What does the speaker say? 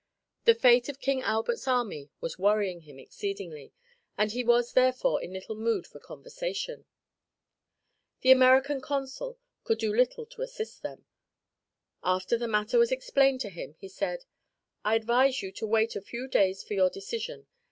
The fate of King Albert's army was worrying him exceedingly and he was therefore in little mood for conversation. The American consul could do little to assist them. After the matter was explained to him, he said: "I advise you to wait a few days for your decision.